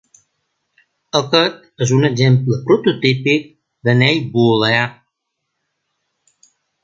Aquest és un exemple prototípic d'anell booleà.